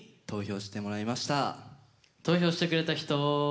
投票してくれた人。